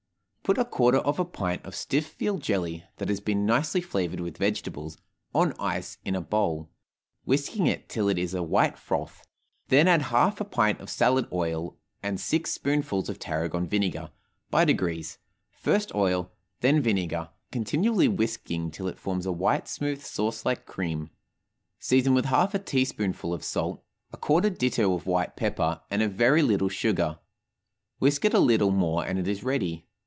Put a quarter of a pint of stiff veal jelly (that has been nicely flavored with vegetables) on ice in a bowl, whisking it till it is a white froth; then add half a pint of salad oil and six spoonfuls of tarragon vinegar, by degrees, first oil, then vinegar, continually whisking till it forms a white, smooth, sauce like cream; season with half a teaspoonful of salt, a quarter ditto of white pepper, and a very little sugar, whisk it a little more and it is ready.